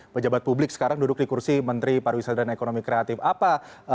pejabat publik sekarang duduk di kursi menteri pariwisata dan ekonomi kreatif apa